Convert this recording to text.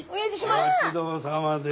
お待ち遠さまです。